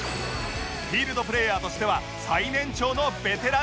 フィールドプレーヤーとしては最年長のベテランです